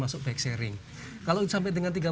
masuk back sharing kalau sampai dengan